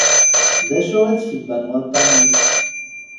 D acu i d ssebba n waṭṭan-ik?